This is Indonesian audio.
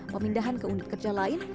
pemindahan ke unit kerja lain